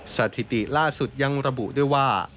สถิติล่าสุดยังระบุด้วยว่า